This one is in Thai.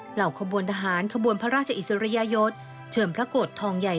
เหล่าขบวนทหารขบวนพระราชอิสริยยศเชิญพระโกรธทองใหญ่